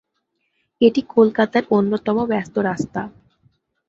এটি কলকাতার অন্যতম ব্যস্ত রাস্তা।